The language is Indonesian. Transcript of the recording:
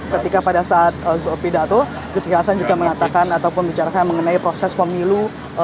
ketika pada saat pidato zulkifli hasan juga mengatakan ataupun bicarakan mengenai proses pemilu